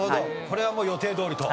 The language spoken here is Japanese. これはもう予定どおりと。